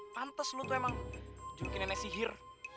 pantes lo tuh emang judulnya nenek sihir